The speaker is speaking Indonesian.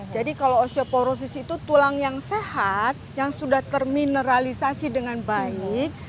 jadi kalau osteoporosis itu tulang yang sehat yang sudah termineralisasi dengan baik